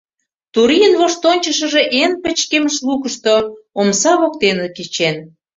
Турийын воштончышыжо эн пычкемыш лукышто, омса воктене кечен.